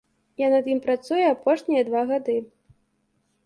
Я над ім працую апошнія два гады.